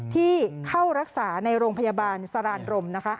ที่เข้ารักษาในโรงพยาบาลสรานรมนะคะ